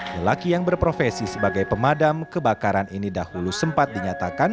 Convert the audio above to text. lelaki yang berprofesi sebagai pemadam kebakaran ini dahulu sempat dinyatakan